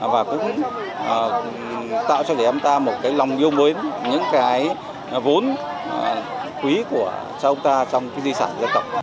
và cũng tạo cho trẻ em ta một cái lòng yêu mến những cái vốn quý của cháu ta trong cái di sản dân tộc